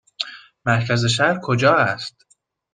مرکز شهر کجا است؟